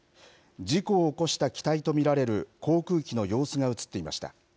事故を起こした機体と見られる航空機の様子が写っていました。